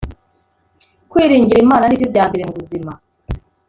kwiringira Imana ni byo byambere mubuzima